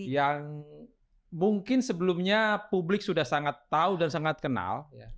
yang mungkin sebelumnya publik sudah sangat tahu dan sangat kenal